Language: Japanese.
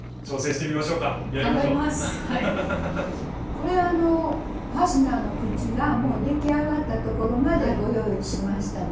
これあのファスナーの口がもう出来上がったところまでご用意しましたので。